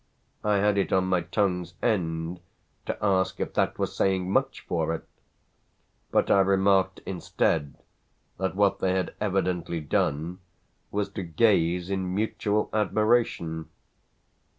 I had it on my tongue's end to ask if that were saying much for it, but I remarked instead that what they had evidently done was to gaze in mutual admiration.